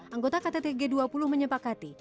anggota kttg dua puluh menyepakati